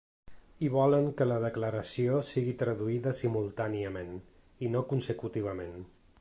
I volen que la declaració sigui traduïda simultàniament, i no consecutivament.